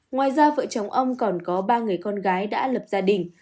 ngoài ra vợ chồng ông còn có ba người con gái đã lập gia đình